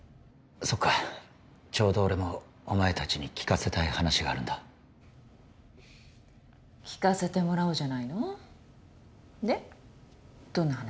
そっかちょうど俺もお前たちに聞かせたい話があるんだ聞かせてもらおうじゃないのでどんな話？